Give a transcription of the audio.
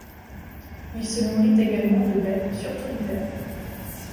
Il se nourrit également de baies, surtout l'hiver.